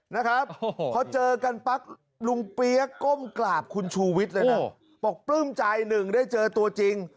นะครับพอเจอกันปั๊บลุงเปี๊ยกก้มกราบคุณชูวิทย์เลยนะบอกปลื้มใจหนึ่งได้เจอตัวจริง